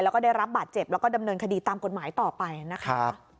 แล้วก็ได้รับบาดเจ็บแล้วก็ดำเนินคดีตามกฎหมายต่อไปนะคะ